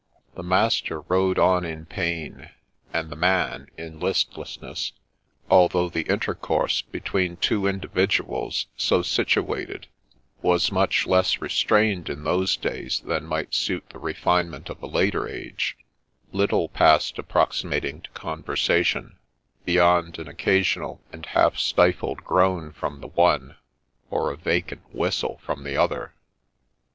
The master rode on in pain, and the man in listlessness ; although the intercourse between two individuals so situated was much less restrained in those days than might suit the refine ment of a later age, little passed approximating to conversation beyond an occasional and half stifled groan from the one, or a vacant whistle from the other.